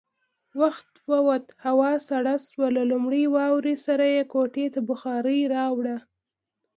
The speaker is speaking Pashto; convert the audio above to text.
وخت ووت، هوا سړه شوه، له لومړۍ واورې سره يې کوټې ته بخارۍ راوړه.